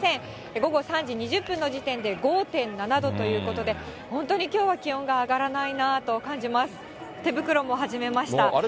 午後３時２０分の時点で、５．７度ということで、本当にきょうは気温が上がらないなと感じます。